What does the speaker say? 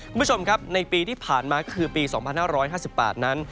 คุณผู้ชมครับในปีที่ผ่านมาก็คือปี๒๕๕๘นั้น